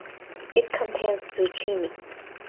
It contains Zucchini.